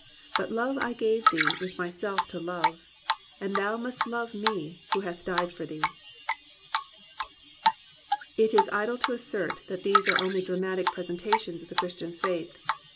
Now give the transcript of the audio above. But love I gave thee, with myself to love, And thou must love me who have died for thee !It is idle to assert that these are only dramatic presentations of the Christian faith.